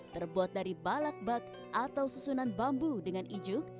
terbuat dari balak bak atau susunan bambu dengan ijuk